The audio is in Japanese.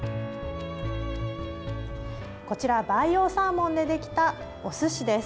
こちら、培養サーモンでできたおすしです。